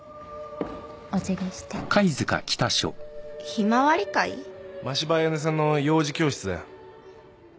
ひまわり会？真柴綾音さんの幼児教室だよ。